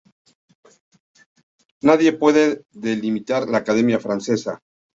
Nadie puede dimitir de la Academia Francesa.